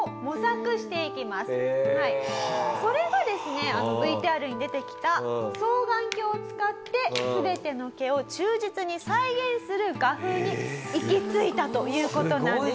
それがですねＶＴＲに出てきた双眼鏡を使って全ての毛を忠実に再現する画風に行き着いたという事なんですよ。